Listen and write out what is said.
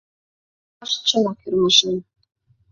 Ты ӧрмаш — чынак, ӧрмашан